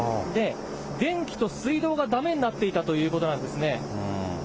電気と水道がだめになっていたということなんですね。